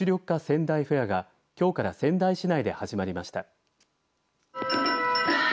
仙台フェアがきょうから仙台市内で始まりました。